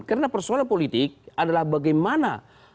karena persoalan politik adalah bagaimana